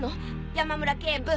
山村警部。